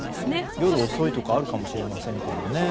夜遅いとかあるかもしれませんからね。